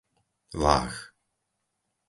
Váh